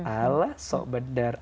allah sok benar